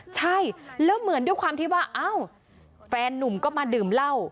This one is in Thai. ใช่แล้วเหมือนด้วยความที่ว่าอ้าวแฟนนุ่มก็มาดื่มเหล้า